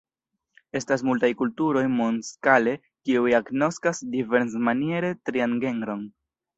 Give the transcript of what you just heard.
Estas multaj kulturoj mondskale, kiuj agnoskas diversmaniere ‘trian genron’.